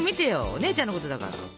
お姉ちゃんのことだから。